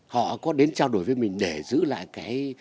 họ có đến trao đổi với mình để giữ lại cái